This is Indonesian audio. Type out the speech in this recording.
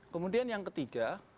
kemudian yang ketiga